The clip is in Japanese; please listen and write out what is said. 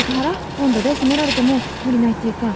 音頭で責められても無理ないっていうか。